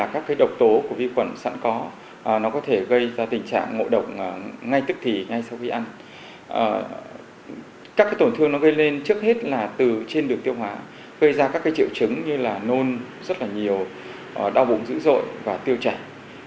các tổn thương nó gây lên trước hết là từ trên đường tiêu hóa gây ra các triệu chứng như là nôn rất là nhiều đau bụng dữ dội và tiêu chảy